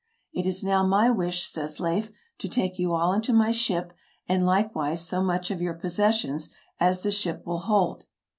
" It is now my wish," says Leif, "to take you all into my ship, and likewise so much of your posses sions as the ship will hold."